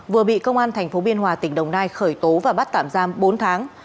vừa bị công an thành phố biên hòa tỉnh đồng nai khởi tố và bắt tạm giam bốn tháng